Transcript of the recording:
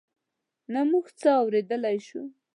نه موږ څه اورېدای شول.